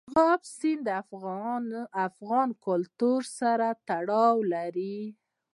مورغاب سیند د افغان کلتور سره تړاو لري.